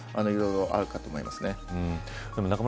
いろいろあると思います。